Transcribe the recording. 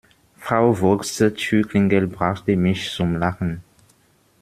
Frau Vogts Türklingel brachte mich zum Lachen.